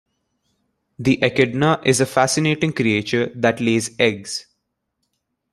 The echidna is a fascinating creature that lays eggs.